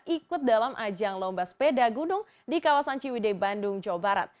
ikut dalam ajang lomba sepeda gunung di kawasan ciwide bandung jawa barat